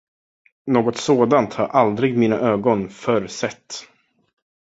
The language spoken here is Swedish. Något sådant har aldrig mina ögon förr sett.